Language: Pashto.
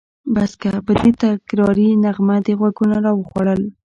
بس که! په دې تکراري نغمه دې غوږونه راوخوړل.